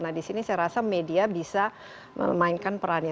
nah di sini saya rasa media bisa memainkan perannya